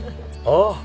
ああ！